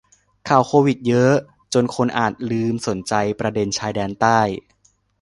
ข่าวโควิดเยอะจนคนอาจลืมสนใจประเด็นชายแดนใต้